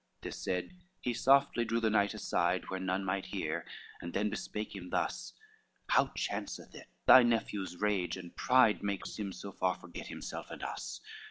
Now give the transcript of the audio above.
LIV This said, he softly drew the knight aside Where none might hear, and then bespake him thus: "How chanceth it thy nephew's rage and pride, Makes him so far forget himself and us?